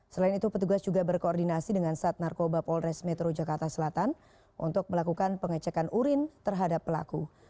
selain itu petugas juga berkoordinasi dengan sat narkoba polres metro jakarta selatan untuk melakukan pengecekan urin terhadap pelaku